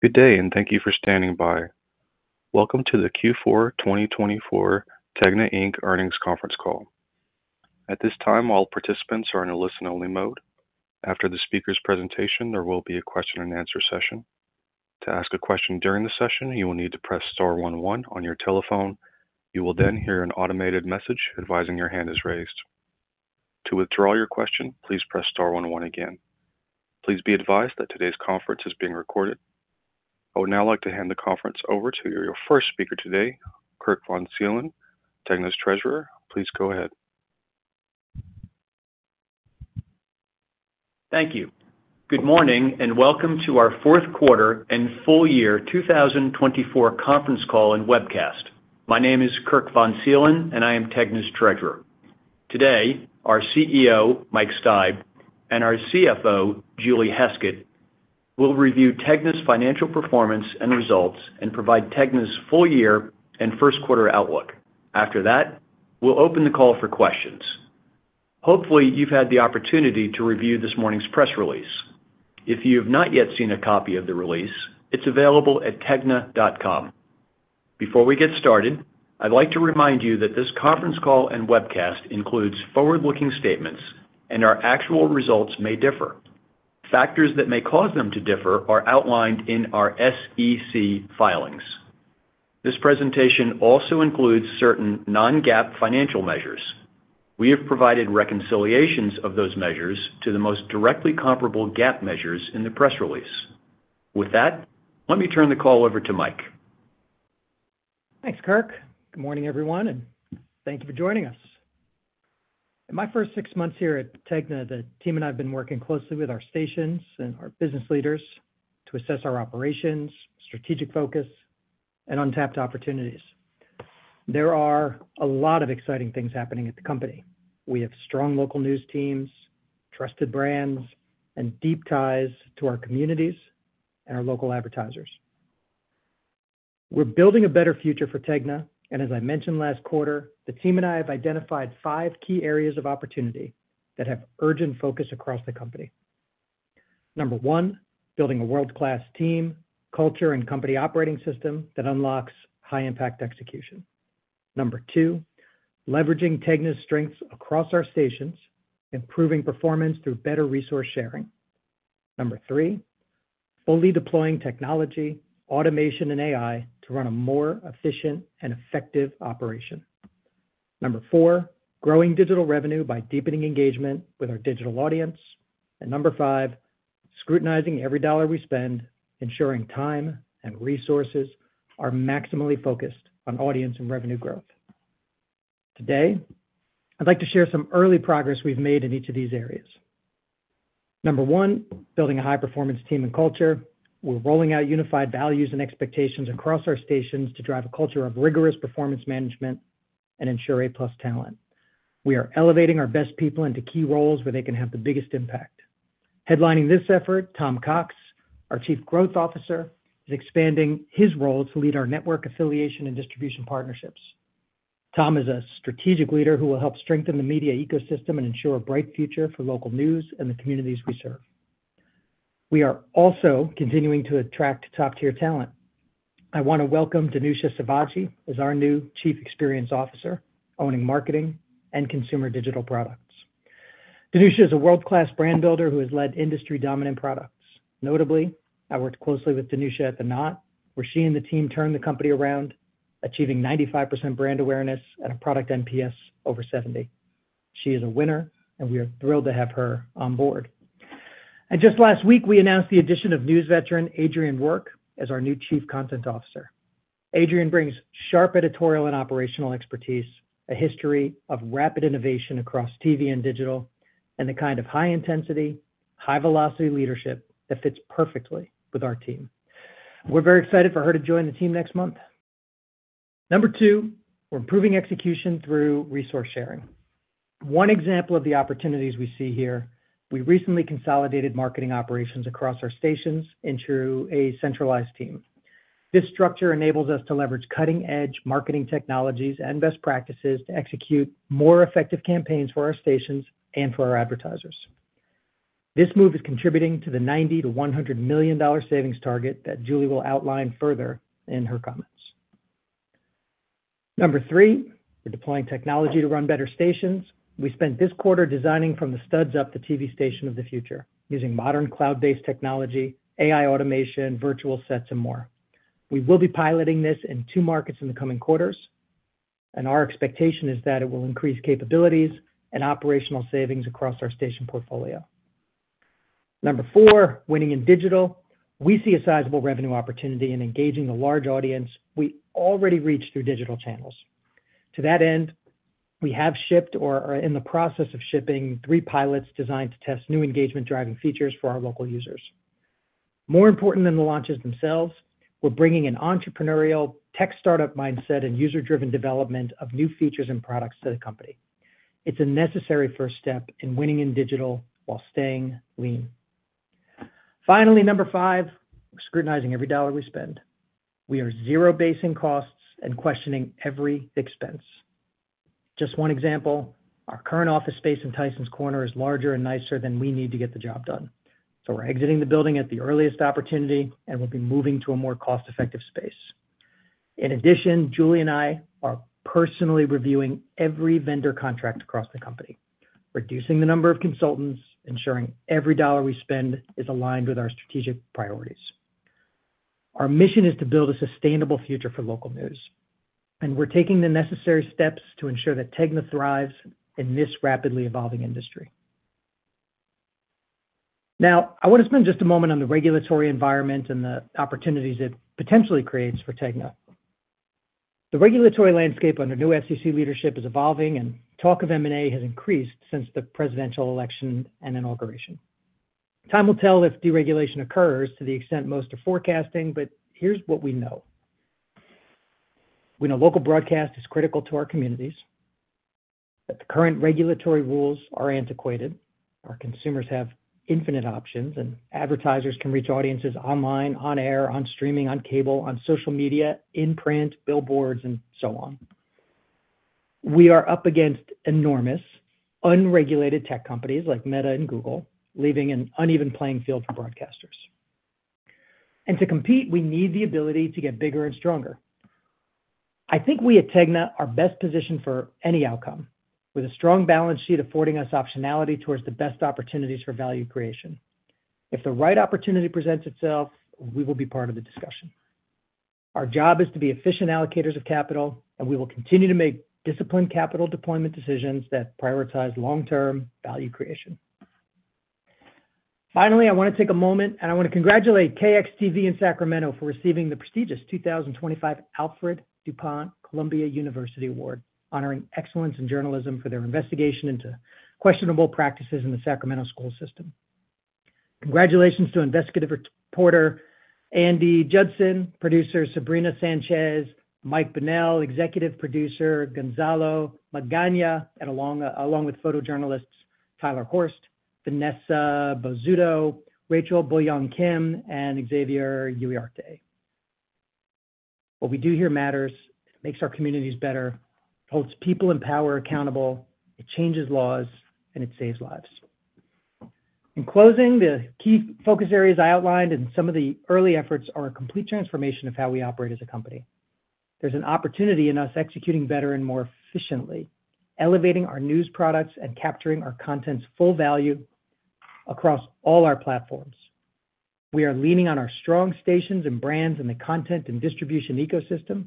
Good day, and thank you for standing by. Welcome to the Q4 2024 TEGNA Inc. earnings conference call. At this time, all participants are in a listen-only mode. After the speaker's presentation, there will be a question-and-answer session. To ask a question during the session, you will need to press star 11 on your telephone. You will then hear an automated message advising your hand is raised. To withdraw your question, please press star 11 again. Please be advised that today's conference is being recorded. I would now like to hand the conference over to your first speaker today, Kirk von Seelen, TEGNA's treasurer. Please go ahead. Thank you. Good morning, and welcome to our fourth quarter and full year 2024 conference call and webcast. My name is Kirk von Seelen, and I am TEGNA's treasurer. Today, our CEO, Mike Steib, and our CFO, Julie Heskett, will review TEGNA's financial performance and results and provide TEGNA's full year and first quarter outlook. After that, we'll open the call for questions. Hopefully, you've had the opportunity to review this morning's press release. If you have not yet seen a copy of the release, it's available at tegna.com. Before we get started, I'd like to remind you that this conference call and webcast includes forward-looking statements, and our actual results may differ. Factors that may cause them to differ are outlined in our SEC filings. This presentation also includes certain non-GAAP financial measures. We have provided reconciliations of those measures to the most directly comparable GAAP measures in the press release. With that, let me turn the call over to Mike. Thanks, Kirk. Good morning, everyone, and thank you for joining us. In my first six months here at TEGNA, the team and I have been working closely with our stations and our business leaders to assess our operations, strategic focus, and untapped opportunities. There are a lot of exciting things happening at the company. We have strong local news teams, trusted brands, and deep ties to our communities and our local advertisers. We're building a better future for TEGNA, and as I mentioned last quarter, the team and I have identified five key areas of opportunity that have urgent focus across the company. Number one, building a world-class team, culture, and company operating system that unlocks high-impact execution. Number two, leveraging TEGNA's strengths across our stations, improving performance through better resource sharing. Number three, fully deploying technology, automation, and AI to run a more efficient and effective operation. Number four, growing digital revenue by deepening engagement with our digital audience. And number five, scrutinizing every dollar we spend, ensuring time and resources are maximally focused on audience and revenue growth. Today, I'd like to share some early progress we've made in each of these areas. Number one, building a high-performance team and culture. We're rolling out unified values and expectations across our stations to drive a culture of rigorous performance management and ensure A-plus talent. We are elevating our best people into key roles where they can have the biggest impact. Headlining this effort, Tom Cox, our Chief Growth Officer, is expanding his role to lead our network affiliation and distribution partnerships. Tom is a strategic leader who will help strengthen the media ecosystem and ensure a bright future for local news and the communities we serve. We are also continuing to attract top-tier talent. I want to welcome Dhanusha Sivajee as our new Chief Experience Officer, owning marketing and consumer digital products. Dhanusha is a world-class brand builder who has led industry-dominant products. Notably, I worked closely with Dhanusha at The Knot, where she and the team turned the company around, achieving 95% brand awareness and a product NPS over 70. She is a winner, and we are thrilled to have her on board. And just last week, we announced the addition of news veteran Adrienne Roark as our new Chief Content Officer. Adrienne brings sharp editorial and operational expertise, a history of rapid innovation across TV and digital, and the kind of high-intensity, high-velocity leadership that fits perfectly with our team. We're very excited for her to join the team next month. Number two, we're improving execution through resource sharing. One example of the opportunities we see here, we recently consolidated marketing operations across our stations into a centralized team. This structure enables us to leverage cutting-edge marketing technologies and best practices to execute more effective campaigns for our stations and for our advertisers. This move is contributing to the $90-$100 million savings target that Julie will outline further in her comments. Number three, we're deploying technology to run better stations. We spent this quarter designing from the studs up the TV station of the future, using modern cloud-based technology, AI automation, virtual sets, and more. We will be piloting this in two markets in the coming quarters, and our expectation is that it will increase capabilities and operational savings across our station portfolio. Number four, winning in digital, we see a sizable revenue opportunity in engaging the large audience we already reach through digital channels. To that end, we have shipped or are in the process of shipping three pilots designed to test new engagement-driving features for our local users. More important than the launches themselves, we're bringing an entrepreneurial tech startup mindset and user-driven development of new features and products to the company. It's a necessary first step in winning in digital while staying lean. Finally, number five, we're scrutinizing every dollar we spend. We are zero-basing costs and questioning every expense. Just one example, our current office space in Tysons Corner is larger and nicer than we need to get the job done. So we're exiting the building at the earliest opportunity, and we'll be moving to a more cost-effective space. In addition, Julie and I are personally reviewing every vendor contract across the company, reducing the number of consultants, ensuring every dollar we spend is aligned with our strategic priorities. Our mission is to build a sustainable future for local news, and we're taking the necessary steps to ensure that TEGNA thrives in this rapidly evolving industry. Now, I want to spend just a moment on the regulatory environment and the opportunities it potentially creates for TEGNA. The regulatory landscape under new FCC leadership is evolving and talk of M&A has increased since the presidential election and inauguration. Time will tell if deregulation occurs to the extent most are forecasting, but here's what we know. We know local broadcast is critical to our communities, that the current regulatory rules are antiquated, our consumers have infinite options, and advertisers can reach audiences online, on-air, on streaming, on cable, on social media, in print, billboards, and so on. We are up against enormous, unregulated tech companies like Meta and Google, leaving an uneven playing field for broadcasters. To compete, we need the ability to get bigger and stronger. I think we at TEGNA are best positioned for any outcome, with a strong balance sheet affording us optionality towards the best opportunities for value creation. If the right opportunity presents itself, we will be part of the discussion. Our job is to be efficient allocators of capital, and we will continue to make disciplined capital deployment decisions that prioritize long-term value creation. Finally, I want to take a moment, and I want to congratulate KXTV in Sacramento for receiving the prestigious 2025 Alfred I. duPont-Columbia University Award, honoring excellence in journalism for their investigation into questionable practices in the Sacramento school system. Congratulations to investigative reporter Andie Judson, producer Sabrina Sanchez, Mike Bunnell, executive producer Gonzalo Magaña, and along with photojournalists Tyler Horst, Vanessa Bozzuto, Rachel Boyoung Kim, and Xavier Uriarte. What we do here matters. It makes our communities better, holds people and power accountable, it changes laws, and it saves lives. In closing, the key focus areas I outlined and some of the early efforts are a complete transformation of how we operate as a company. There's an opportunity in us executing better and more efficiently, elevating our news products and capturing our content's full value across all our platforms. We are leaning on our strong stations and brands and the content and distribution ecosystem,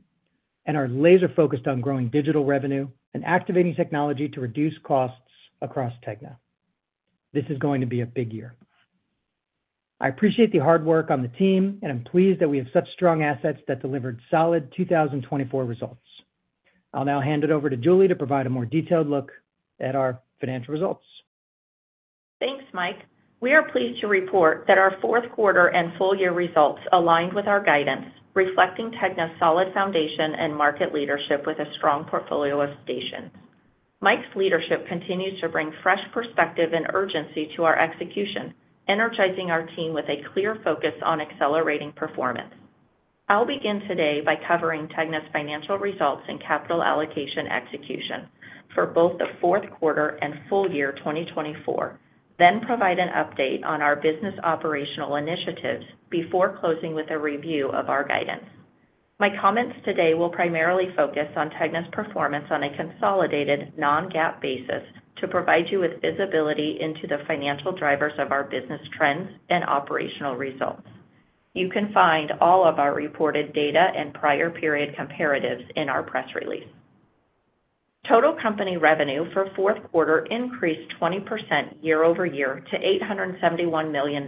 and our laser-focused on growing digital revenue and activating technology to reduce costs across TEGNA. This is going to be a big year. I appreciate the hard work on the team, and I'm pleased that we have such strong assets that delivered solid 2024 results. I'll now hand it over to Julie to provide a more detailed look at our financial results. Thanks, Mike. We are pleased to report that our fourth quarter and full year results aligned with our guidance, reflecting TEGNA's solid foundation and market leadership with a strong portfolio of stations. Mike's leadership continues to bring fresh perspective and urgency to our execution, energizing our team with a clear focus on accelerating performance. I'll begin today by covering TEGNA's financial results and capital allocation execution for both the fourth quarter and full year 2024, then provide an update on our business operational initiatives before closing with a review of our guidance. My comments today will primarily focus on TEGNA's performance on a consolidated non-GAAP basis to provide you with visibility into the financial drivers of our business trends and operational results. You can find all of our reported data and prior period comparatives in our press release. Total company revenue for fourth quarter increased 20% year-over-year to $871 million,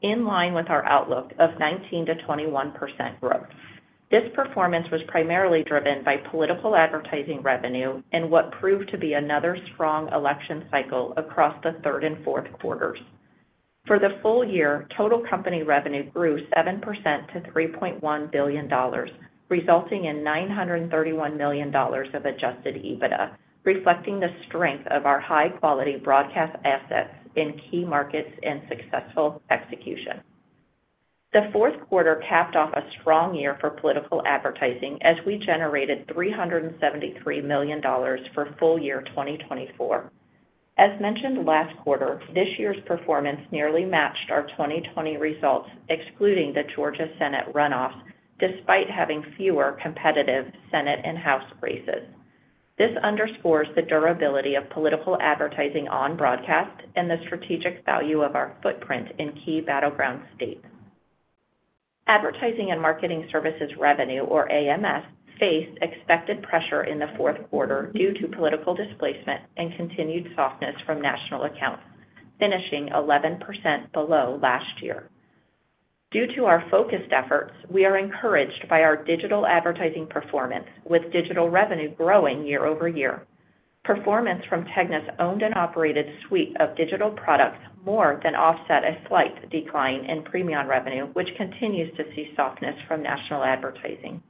in line with our outlook of 19%-21% growth. This performance was primarily driven by political advertising revenue and what proved to be another strong election cycle across the third and fourth quarters. For the full year, total company revenue grew 7% to $3.1 billion, resulting in $931 million of Adjusted EBITDA, reflecting the strength of our high-quality broadcast assets in key markets and successful execution. The fourth quarter capped off a strong year for political advertising as we generated $373 million for full year 2024. As mentioned last quarter, this year's performance nearly matched our 2020 results, excluding the Georgia Senate runoffs, despite having fewer competitive Senate and House races. This underscores the durability of political advertising on broadcast and the strategic value of our footprint in key battleground states. Advertising and Marketing Services revenue, or AMS, faced expected pressure in the fourth quarter due to political displacement and continued softness from national accounts, finishing 11% below last year. Due to our focused efforts, we are encouraged by our digital advertising performance, with digital revenue growing year-over-year. Performance from TEGNA's owned and operated suite of digital products more than offset a slight decline in Premion revenue, which continues to see softness from national advertising.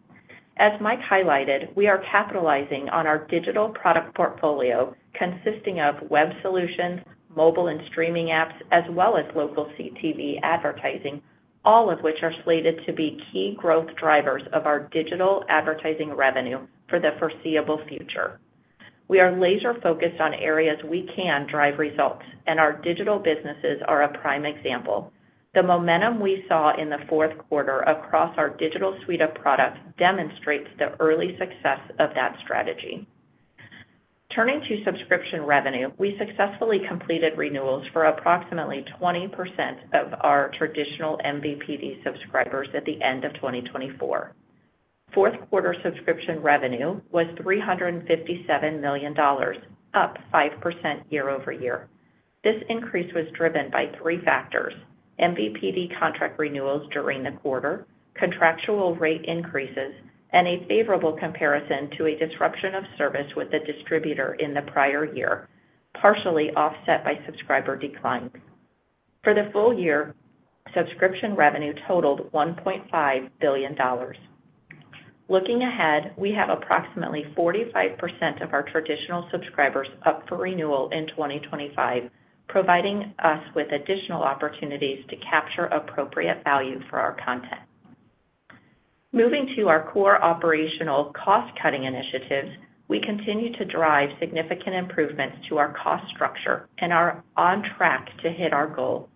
As Mike highlighted, we are capitalizing on our digital product portfolio consisting of web solutions, mobile and streaming apps, as well as local CTV advertising, all of which are slated to be key growth drivers of our digital advertising revenue for the foreseeable future. We are laser-focused on areas we can drive results, and our digital businesses are a prime example. The momentum we saw in the fourth quarter across our digital suite of products demonstrates the early success of that strategy. Turning to subscription revenue, we successfully completed renewals for approximately 20% of our traditional MVPD subscribers at the end of 2024. Fourth quarter subscription revenue was $357 million, up 5% year-over-year. This increase was driven by three factors: MVPD contract renewals during the quarter, contractual rate increases, and a favorable comparison to a disruption of service with a distributor in the prior year, partially offset by subscriber decline. For the full year, subscription revenue totaled $1.5 billion. Looking ahead, we have approximately 45% of our traditional subscribers up for renewal in 2025, providing us with additional opportunities to capture appropriate value for our content. Moving to our core operational cost-cutting initiatives, we continue to drive significant improvements to our cost structure and are on track to hit our goal.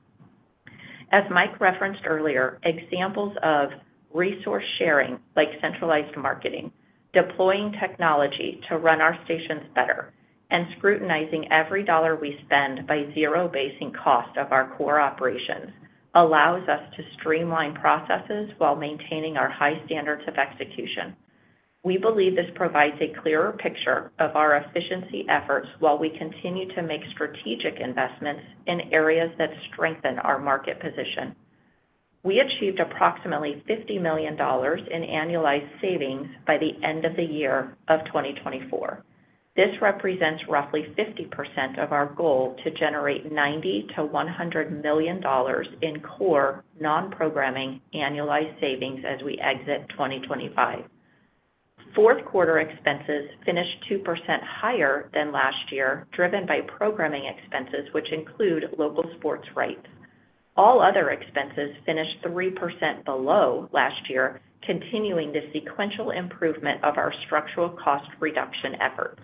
As Mike referenced earlier, examples of resource sharing like centralized marketing, deploying technology to run our stations better, and scrutinizing every dollar we spend by zero-basing cost of our core operations allows us to streamline processes while maintaining our high standards of execution. We believe this provides a clearer picture of our efficiency efforts while we continue to make strategic investments in areas that strengthen our market position. We achieved approximately $50 million in annualized savings by the end of the year of 2024. This represents roughly 50% of our goal to generate $90-$100 million in core non-programming annualized savings as we exit 2025. Fourth quarter expenses finished 2% higher than last year, driven by programming expenses, which include local sports rights. All other expenses finished 3% below last year, continuing the sequential improvement of our structural cost reduction efforts.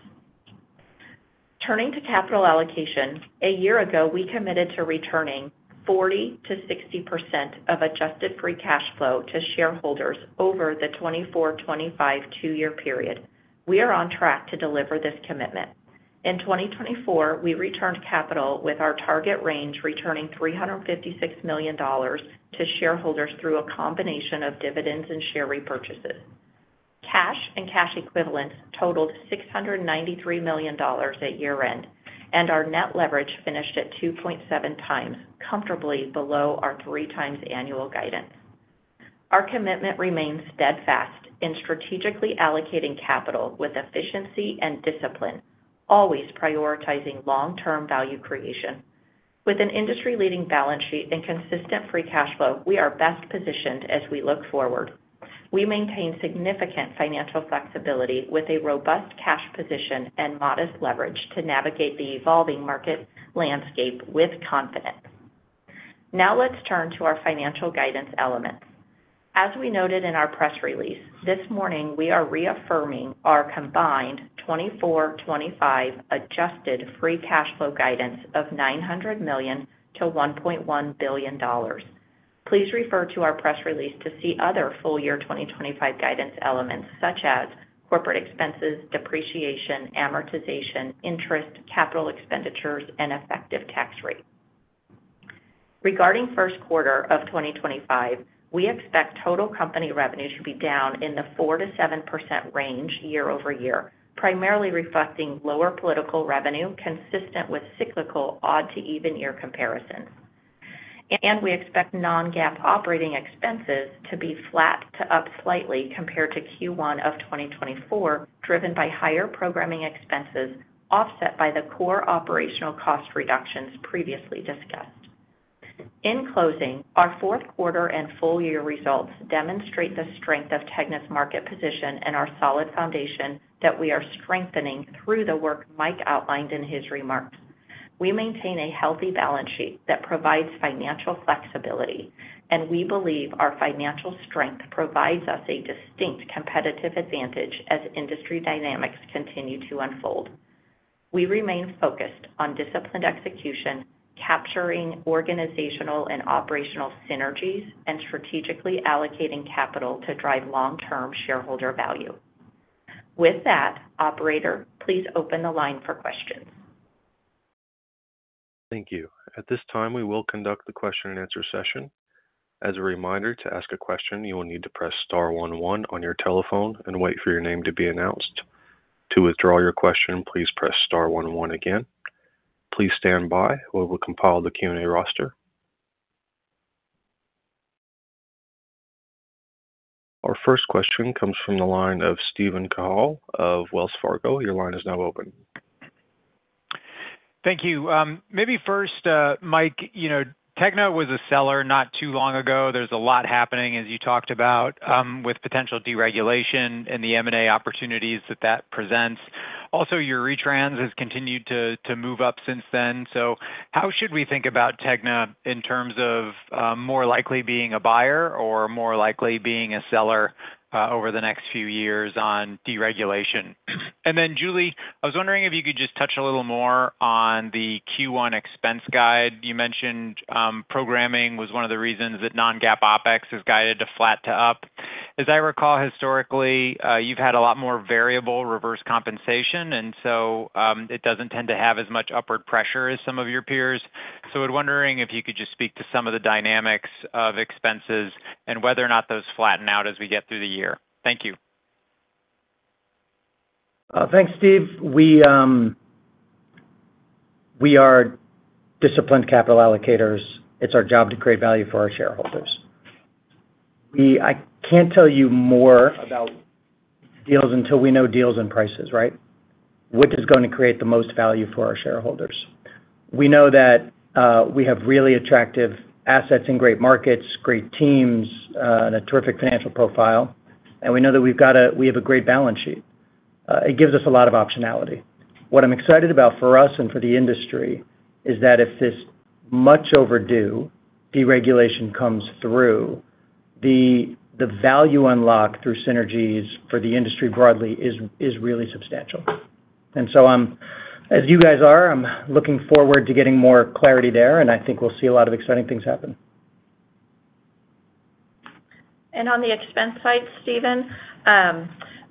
Turning to capital allocation, a year ago, we committed to returning 40% to 60% of adjusted free cash flow to shareholders over the 2024-2025 two-year period. We are on track to deliver this commitment. In 2024, we returned capital with our target range returning $356 million to shareholders through a combination of dividends and share repurchases. Cash and cash equivalents totaled $693 million at year-end, and our net leverage finished at 2.7 times, comfortably below our three-times annual guidance. Our commitment remains steadfast in strategically allocating capital with efficiency and discipline, always prioritizing long-term value creation. With an industry-leading balance sheet and consistent free cash flow, we are best positioned as we look forward. We maintain significant financial flexibility with a robust cash position and modest leverage to navigate the evolving market landscape with confidence. Now let's turn to our financial guidance elements. As we noted in our press release this morning, we are reaffirming our combined 2024-2025 adjusted free cash flow guidance of $900 million to $1.1 billion. Please refer to our press release to see other full year 2025 guidance elements, such as corporate expenses, depreciation, amortization, interest, capital expenditures, and effective tax rate. Regarding first quarter of 2025, we expect total company revenue to be down in the 4% to 7% range year-over-year, primarily reflecting lower political revenue consistent with cyclical odd-to-even year comparisons, and we expect non-GAAP operating expenses to be flat to up slightly compared to Q1 of 2024, driven by higher programming expenses offset by the core operational cost reductions previously discussed. In closing, our fourth quarter and full year results demonstrate the strength of TEGNA's market position and our solid foundation that we are strengthening through the work Mike outlined in his remarks. We maintain a healthy balance sheet that provides financial flexibility, and we believe our financial strength provides us a distinct competitive advantage as industry dynamics continue to unfold. We remain focused on disciplined execution, capturing organizational and operational synergies, and strategically allocating capital to drive long-term shareholder value. With that, Operator, please open the line for questions. Thank you. At this time, we will conduct the question-and-answer session. As a reminder, to ask a question, you will need to press star one one on your telephone and wait for your name to be announced. To withdraw your question, please press star one one again. Please stand by while we compile the Q&A roster. Our first question comes from the line of Steven Cahall of Wells Fargo. Your line is now open. Thank you. Maybe first, Mike, you know TEGNA was a seller not too long ago. There's a lot happening, as you talked about, with potential deregulation and the M&A opportunities that that presents. Also, your retrans has continued to move up since then. So how should we think about TEGNA in terms of more likely being a buyer or more likely being a seller over the next few years on deregulation? And then, Julie, I was wondering if you could just touch a little more on the Q1 expense guide. You mentioned programming was one of the reasons that non-GAAP OpEx is guided to flat to up. As I recall, historically, you've had a lot more variable reverse compensation, and so it doesn't tend to have as much upward pressure as some of your peers. So I was wondering if you could just speak to some of the dynamics of expenses and whether or not those flatten out as we get through the year? Thank you. Thanks, Steve. We are disciplined capital allocators. It's our job to create value for our shareholders. I can't tell you more about deals until we know deals and prices, right? What is going to create the most value for our shareholders? We know that we have really attractive assets in great markets, great teams, and a terrific financial profile, and we know that we have a great balance sheet. It gives us a lot of optionality. What I'm excited about for us and for the industry is that if this much-overdue deregulation comes through, the value unlocked through synergies for the industry broadly is really substantial, and so, as you guys are, I'm looking forward to getting more clarity there, and I think we'll see a lot of exciting things happen. And on the expense side, Steven,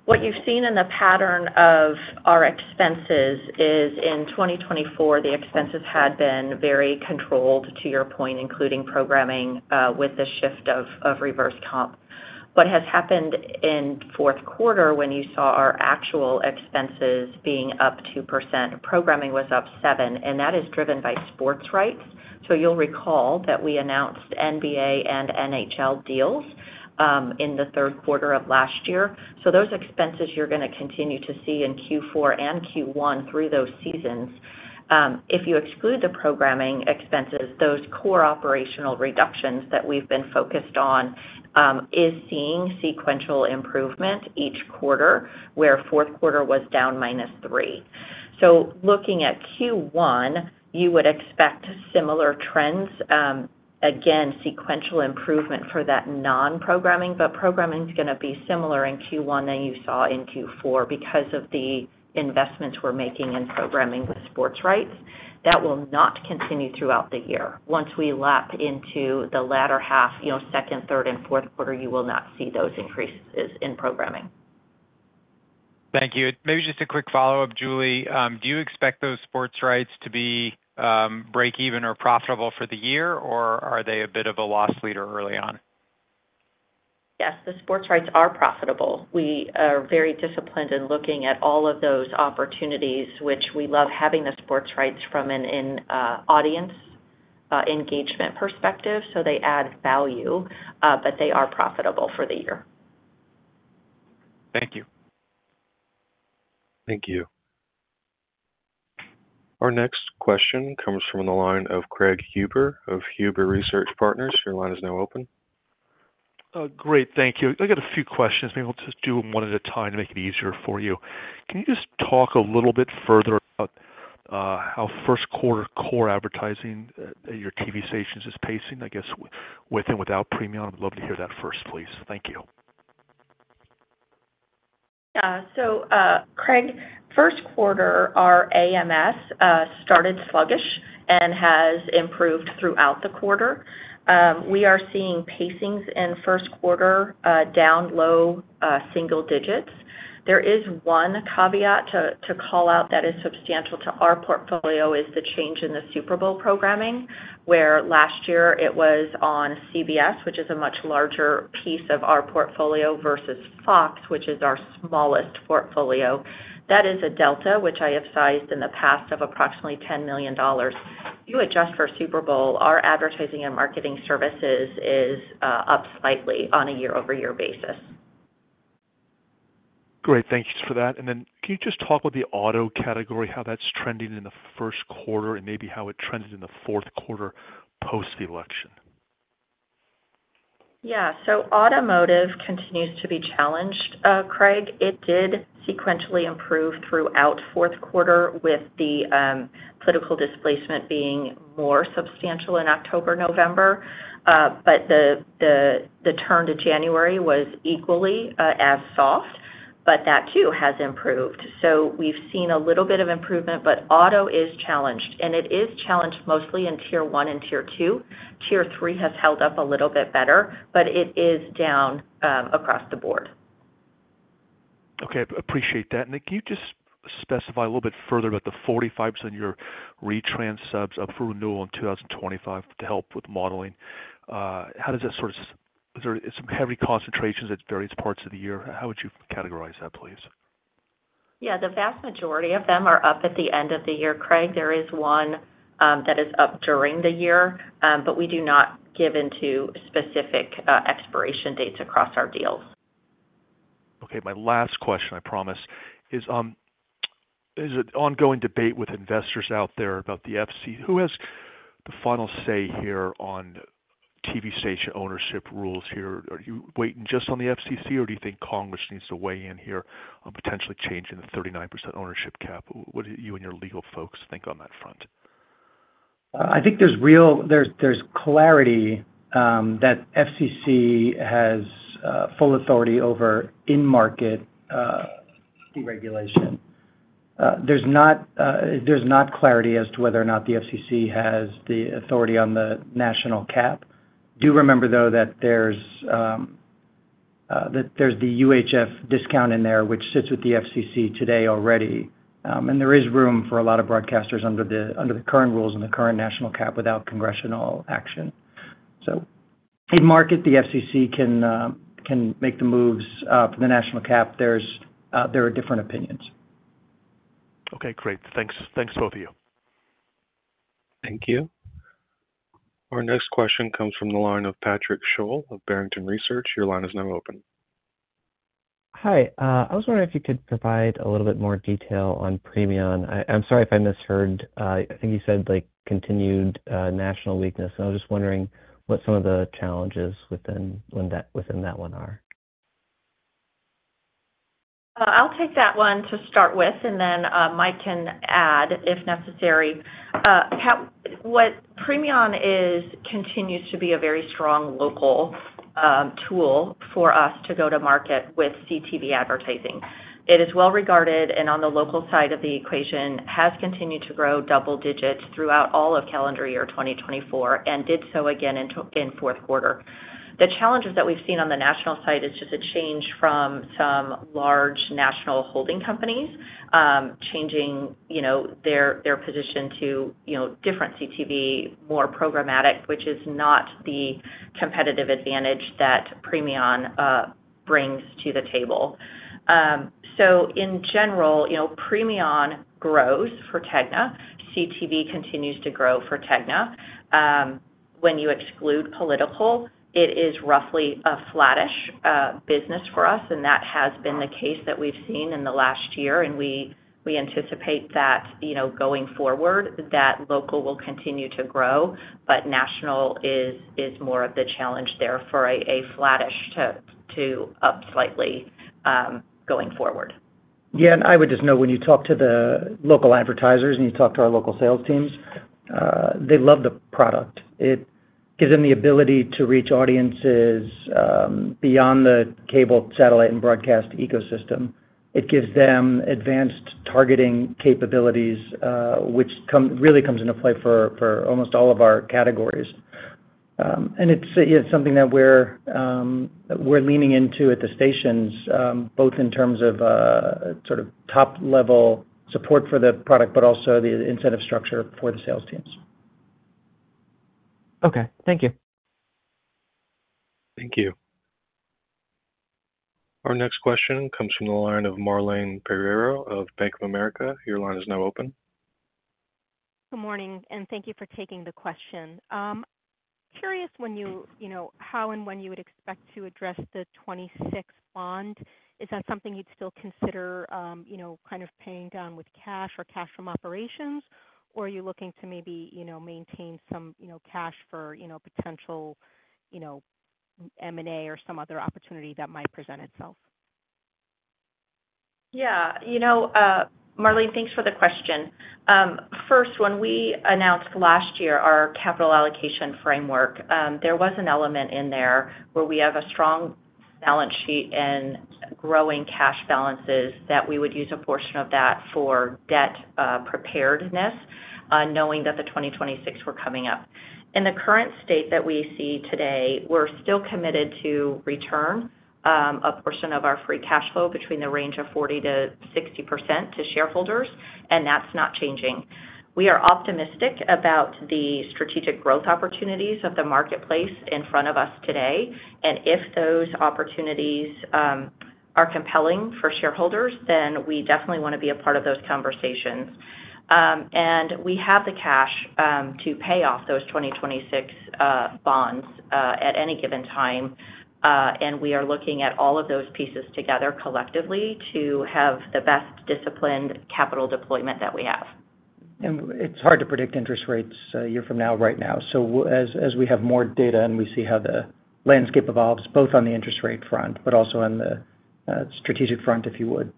what you've seen in the pattern of our expenses is in 2024, the expenses had been very controlled, to your point, including programming with the shift of reverse comp. What has happened in fourth quarter when you saw our actual expenses being up 2%, programming was up 7%, and that is driven by sports rights. So you'll recall that we announced NBA and NHL deals in the third quarter of last year. So those expenses you're going to continue to see in Q4 and Q1 through those seasons. If you exclude the programming expenses, those core operational reductions that we've been focused on is seeing sequential improvement each quarter, where fourth quarter was down -3%. So looking at Q1, you would expect similar trends. Again, sequential improvement for that non-programming, but programming is going to be similar in Q1 than you saw in Q4 because of the investments we're making in programming with sports rights. That will not continue throughout the year. Once we lap into the latter half, you know, second, third, and fourth quarter, you will not see those increases in programming. Thank you. Maybe just a quick follow-up, Julie. Do you expect those sports rights to be break-even or profitable for the year, or are they a bit of a loss leader early on? Yes, the sports rights are profitable. We are very disciplined in looking at all of those opportunities, which we love having the sports rights from an audience engagement perspective. So they add value, but they are profitable for the year. Thank you. Thank you. Our next question comes from the line of Craig Huber of Huber Research Partners. Your line is now open. Great. Thank you. I got a few questions. Maybe we'll just do them one at a time to make it easier for you. Can you just talk a little bit further about how first quarter core advertising at your TV stations is pacing, I guess, with and without Premion? I'd love to hear that first, please. Thank you. Yeah. So, Craig, first quarter, our AMS started sluggish and has improved throughout the quarter. We are seeing pacings in first quarter down low single digits. There is one caveat to call out that is substantial to our portfolio: the change in the Super Bowl programming, where last year it was on CBS, which is a much larger piece of our portfolio, versus Fox, which is our smallest portfolio. That is a delta, which I have sized in the past of approximately $10 million. You adjust for Super Bowl, our advertising and marketing services is up slightly on a year-over-year basis. Great. Thank you for that. And then can you just talk about the auto category, how that's trending in the first quarter, and maybe how it trended in the fourth quarter post-election? Yeah. So automotive continues to be challenged, Craig. It did sequentially improve throughout fourth quarter, with the political displacement being more substantial in October, November. But the turn to January was equally as soft, but that too has improved. So we've seen a little bit of improvement, but auto is challenged. And it is challenged mostly in Tier 1 and Tier 2. Tier 3 has held up a little bit better, but it is down across the board. Okay. I appreciate that. Kirk, can you just specify a little bit further about the 45% of your retrans subs up for renewal in 2025 to help with modeling? How does that sort of, there are some heavy concentrations at various parts of the year. How would you categorize that, please? Yeah. The vast majority of them are up at the end of the year. Craig, there is one that is up during the year, but we do not give out specific expiration dates across our deals. Okay. My last question, I promise, is an ongoing debate with investors out there about the FCC. Who has the final say here on TV station ownership rules here? Are you waiting just on the FCC, or do you think Congress needs to weigh in here on potentially changing the 39% ownership cap? What do you and your legal folks think on that front? I think there's clarity that FCC has full authority over in-market deregulation. There's not clarity as to whether or not the FCC has the authority on the national cap. Do remember, though, that there's the UHF discount in there, which sits with the FCC today already, and there is room for a lot of broadcasters under the current rules and the current national cap without congressional action, so in-market, the FCC can make the moves for the national cap. There are different opinions. Okay. Great. Thanks. Thanks, both of you. Thank you. Our next question comes from the line of Patrick Sholl of Barrington Research. Your line is now open. Hi. I was wondering if you could provide a little bit more detail on Premion. I'm sorry if I misheard. I think you said continued national weakness. And I was just wondering what some of the challenges within that one are. I'll take that one to start with, and then Mike can add if necessary. What Premion is continues to be a very strong local tool for us to go to market with CTV advertising. It is well regarded and on the local side of the equation, has continued to grow double digits throughout all of calendar year 2024, and did so again in fourth quarter. The challenges that we've seen on the national side is just a change from some large national holding companies changing their position to different CTV, more programmatic, which is not the competitive advantage that Premion brings to the table. So in general, Premion grows for TEGNA. CTV continues to grow for TEGNA. When you exclude political, it is roughly a flattish business for us, and that has been the case that we've seen in the last year. We anticipate that going forward, that local will continue to grow, but national is more of the challenge there for a flattish to up slightly going forward. Yeah. And I would just note when you talk to the local advertisers and you talk to our local sales teams, they love the product. It gives them the ability to reach audiences beyond the cable, satellite, and broadcast ecosystem. It gives them advanced targeting capabilities, which really comes into play for almost all of our categories. And it's something that we're leaning into at the stations, both in terms of sort of top-level support for the product, but also the incentive structure for the sales teams. Okay. Thank you. Thank you. Our next question comes from the line of Marlene Pereiro of Bank of America. Your line is now open. Good morning, and thank you for taking the question. Curious how and when you would expect to address the 26 bond. Is that something you'd still consider kind of paying down with cash or cash from operations, or are you looking to maybe maintain some cash for potential M&A or some other opportunity that might present itself? Yeah. You know, Marlene, thanks for the question. First, when we announced last year our capital allocation framework, there was an element in there where we have a strong balance sheet and growing cash balances that we would use a portion of that for debt preparedness, knowing that the 2026 were coming up. In the current state that we see today, we're still committed to return a portion of our free cash flow between the range of 40%-60% to shareholders, and that's not changing. We are optimistic about the strategic growth opportunities of the marketplace in front of us today. And if those opportunities are compelling for shareholders, then we definitely want to be a part of those conversations. And we have the cash to pay off those 2026 bonds at any given time. We are looking at all of those pieces together collectively to have the best disciplined capital deployment that we have. It's hard to predict interest rates a year from now, right now. As we have more data and we see how the landscape evolves, both on the interest rate front, but also on the strategic front, if you would,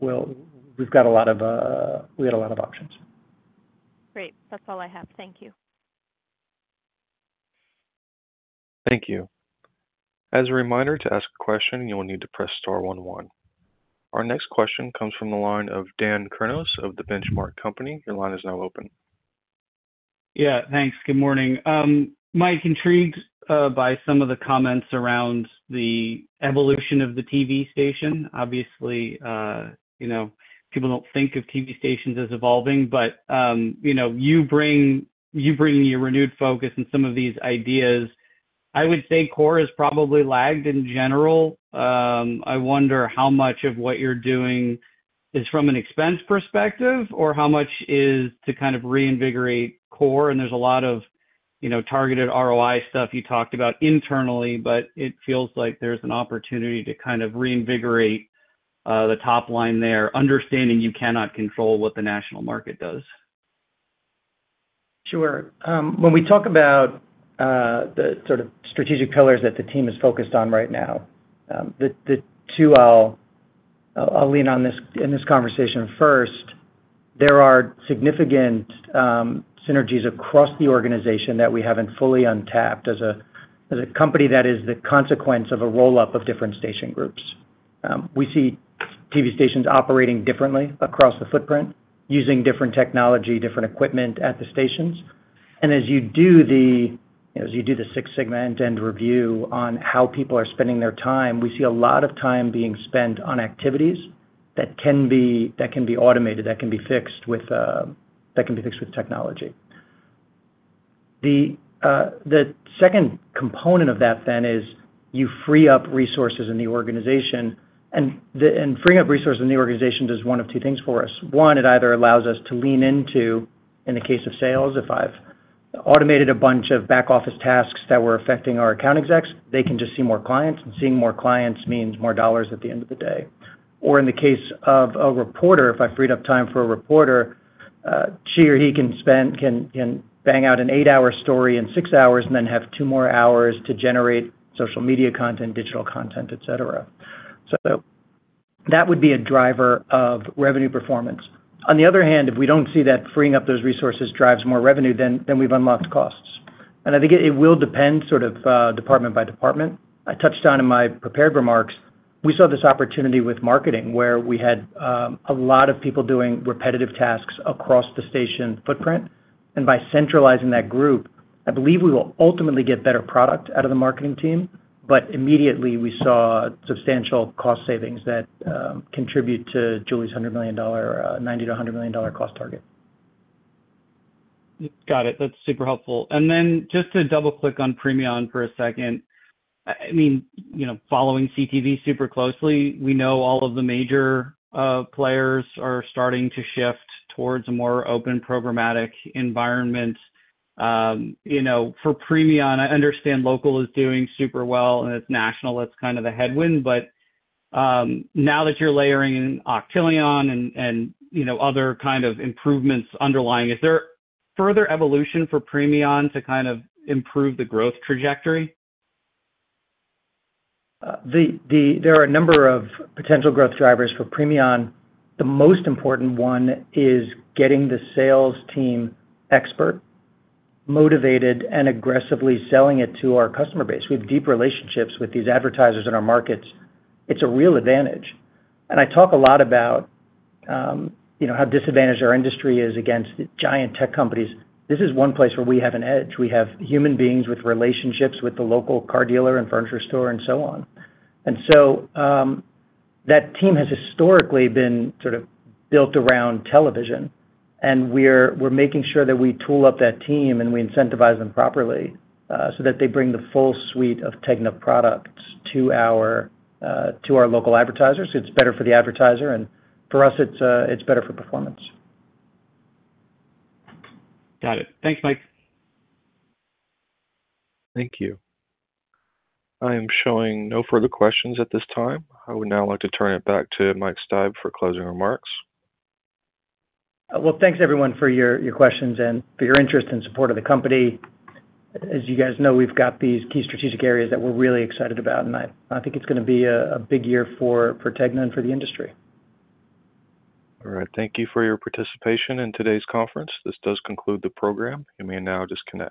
we had a lot of options. Great. That's all I have. Thank you. Thank you. As a reminder to ask a question, you'll need to press star 11. Our next question comes from the line of Dan Kurnos of The Benchmark Company. Your line is now open. Yeah. Thanks. Good morning. Mike's intrigued by some of the comments around the evolution of the TV station. Obviously, people don't think of TV stations as evolving, but you bring your renewed focus and some of these ideas. I would say core is probably lagged in general. I wonder how much of what you're doing is from an expense perspective, or how much is to kind of reinvigorate core. And there's a lot of targeted ROI stuff you talked about internally, but it feels like there's an opportunity to kind of reinvigorate the top line there, understanding you cannot control what the national market does. Sure. When we talk about the sort of Strategic Pillars that the team is focused on right now, the two I'll lean on in this conversation first, there are significant synergies across the organization that we haven't fully untapped as a company that is the consequence of a roll-up of different station groups. We see TV stations operating differently across the footprint, using different technology, different equipment at the stations. And as you do the Six Sigma and then review on how people are spending their time, we see a lot of time being spent on activities that can be automated, that can be fixed with technology. The second component of that, then, is you free up resources in the organization. And freeing up resources in the organization does one of two things for us. One, it either allows us to lean into, in the case of sales, if I've automated a bunch of back-office tasks that were affecting our account execs, they can just see more clients, and seeing more clients means more dollars at the end of the day, or in the case of a reporter, if I free up time for a reporter, she or he can bang out an eight-hour story in six hours and then have two more hours to generate social media content, digital content, etc., so that would be a driver of revenue performance. On the other hand, if we don't see that freeing up those resources drives more revenue, then we've unlocked costs, and I think it will depend sort of department-by department. I touched on in my prepared remarks, we saw this opportunity with marketing where we had a lot of people doing repetitive tasks across the station footprint. And by centralizing that group, I believe we will ultimately get better product out of the marketing team. But immediately, we saw substantial cost savings that contribute to Julie's $100 million, $90-$100 million cost target. Got it. That's super helpful. And then just to double-click on Premion for a second, I mean, following CTV super closely, we know all of the major players are starting to shift towards a more open programmatic environment. For Premion, I understand local is doing super well, and it's national, that's kind of the headwind. But now that you're layering in Octillion and other kind of improvements underlying, is there further evolution for Premion to kind of improve the growth trajectory? There are a number of potential growth drivers for Premion. The most important one is getting the sales team expert, motivated and aggressively selling it to our customer base. We have deep relationships with these advertisers in our markets. It's a real advantage, and I talk a lot about how disadvantaged our industry is against giant tech companies. This is one place where we have an edge. We have human beings with relationships with the local car dealer and furniture store and so on. And so that team has historically been sort of built around television. We're making sure that we tool up that team and we incentivize them properly so that they bring the full suite of TEGNA products to our local advertisers. It's better for the advertiser, and for us, it's better for performance. Got it. Thanks, Mike. Thank you. I am showing no further questions at this time. I would now like to turn it back to Mike Steib for closing remarks. Thanks, everyone, for your questions and for your interest and support of the company. As you guys know, we've got these key strategic areas that we're really excited about. I think it's going to be a big year for TEGNA and for the industry. All right. Thank you for your participation in today's conference. This does conclude the program. You may now just connect.